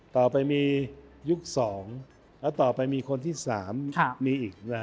ต่อไปมียุคสองและต่อไปมีคนที่สามมีอีก